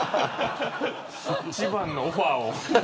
一番のオファーを。